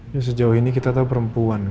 ya sejauh ini kita tahu perempuan